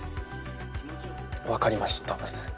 分かりました。